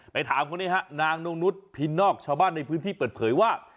ถามคนนี้ฮะนางนกนุษย์พินนอกชาวบ้านในพื้นที่เปิดเผยว่า